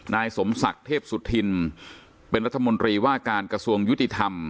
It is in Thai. นายสมศักดิ์เทพสุธินเป็นรัฐมนตรีว่าการกระทรวงยุติธรรม